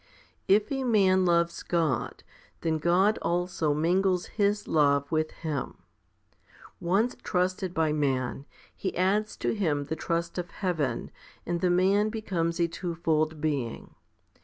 22. If a man loves God, then God also mingles His love with him. Once trusted by man, He adds to him the trust of heaven, and the man becomes a twofold being.